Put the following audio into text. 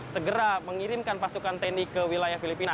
segera mengirimkan pasukan tni ke wilayah filipina